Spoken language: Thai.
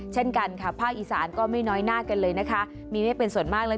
เช่นกันค่ะภาคอีสานก็ไม่น้อยหน้ากันเลยนะคะมีเมฆเป็นส่วนมากเลย